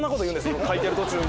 今書いてる途中に。